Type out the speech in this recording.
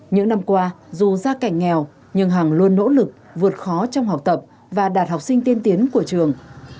những năm qua dù gia cảnh nghèo nhưng hằng luôn nỗ lực vượt khó trong học tập và đạt học sinh tiên tiến của trường